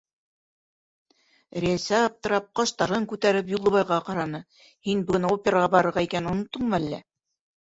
Рәйсә аптырап, ҡаштарын күтәреп, Юлдыбайға ҡараны: - Һин бөгөн операға барырға икәнен оноттоңмо әллә?